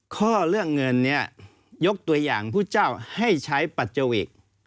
ข้อเรื่องเงินเนี่ยยกตัวอย่างผู้เจ้าให้ใช้ปัจจวิก